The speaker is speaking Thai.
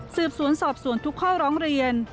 สืบสวนสอบสวนทุกข้อร้องเรียน